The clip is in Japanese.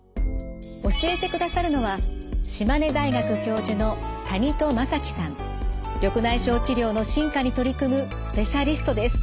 教えてくださるのは緑内障治療の進化に取り組むスペシャリストです。